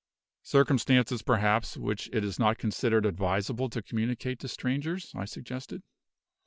"Circumstances, perhaps, which it is not considered advisable to communicate to strangers," I suggested.